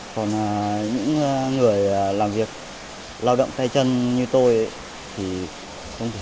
còn những người làm việc lao động tay chân như tôi thì không thể